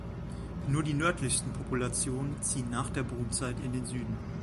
Nur die nördlichsten Populationen ziehen nach der Brutzeit in den Süden.